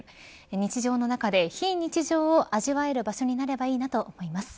日常の中で非日常を味わえる場所になればいいなと思います。